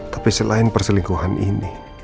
tapi selain perselingkuhan ini